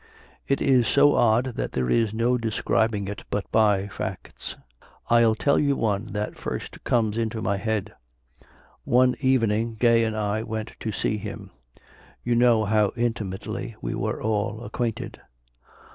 It is so odd that there is no describing it but by facts. I'll tell you one that first comes into my head. One evening Gay and I went to see him: you know how intimately we were all acquainted.